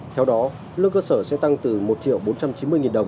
theo đó lương cơ sở sẽ tăng từ một triệu bốn trăm chín mươi đồng